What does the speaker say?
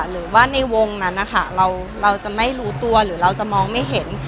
หรือว่าในวงนั้นนะคะเราจะไม่รู้ตัวหรือเราจะมองไม่เห็น